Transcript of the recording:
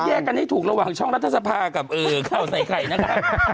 แยกกันให้ถูกระหว่างช่องรัฐสภากับข่าวใส่ไข่นะครับ